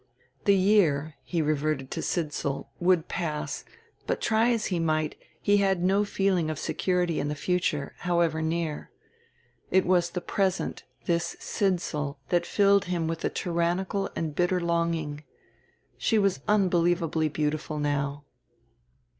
The year, he reverted to Sidsall, would pass; but, try as he might, he had no feeling of security in the future, however near. It was the present, this Sidsall, that filled him with a tyrannical and bitter longing. She was unbelievably beautiful now.